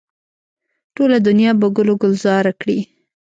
ټوله دنیا به ګل و ګلزاره کړي.